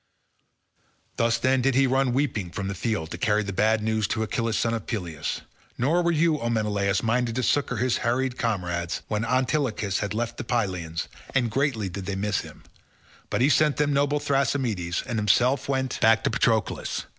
Thus, then, did he run weeping from the field, to carry the bad news to Achilles son of Peleus. Nor were you, O Menelaus, minded to succour his harassed comrades, when Antilochus had left the Pylians—and greatly did they miss him—but he sent them noble Thrasymedes, and himself went back to Patroclus.